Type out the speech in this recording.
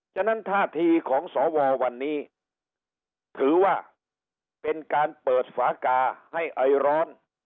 ฉะนั้นท่าทีของสววันนี้ถือว่าเป็นการเปิดฝากาให้ไอร้อน